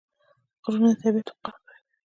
غرونه د طبیعت وقار ښکاره کوي.